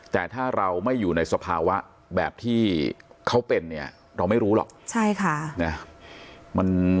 แต่ถ้าเราไม่อยู่ในสภาวะแบบที่เขาเป็นเนี่ยเราไม่รู้หรอก